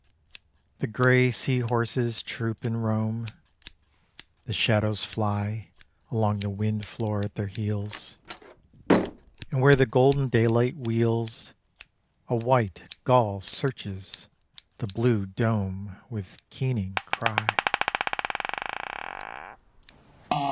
The gray sea horses troop and roam; The shadows fly Along the wind floor at their heels; And where the golden daylight wheels, A white gull searches the blue dome With keening cry.